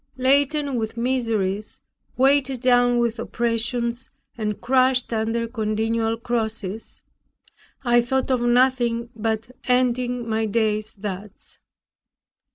Laden with miseries, weighed down with oppressions, and crushed under continual crosses, I thought of nothing but ending my days thus.